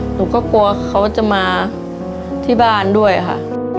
หนูก็กลัวเขาจะมาที่บ้านด้วยค่ะ